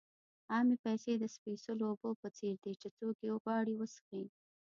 عامې پیسې د سپېڅلو اوبو په څېر دي چې څوک یې غواړي وڅښي.